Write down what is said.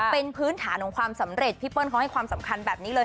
เป็นพื้นฐานของความสำเร็จพี่เปิ้ลเขาให้ความสำคัญแบบนี้เลย